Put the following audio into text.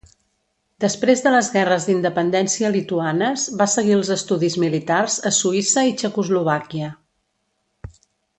Després de les guerres d'independència lituanes va seguir els estudis militars a Suïssa i Txecoslovàquia.